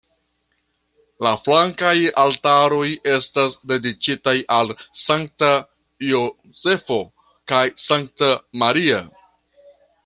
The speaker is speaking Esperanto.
La flankaj altaroj estas dediĉitaj al Sankta Jozefo kaj Sankta Maria.